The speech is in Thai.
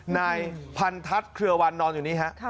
นายพันทัศน์เครือวันนอนอยู่นี่ฮะ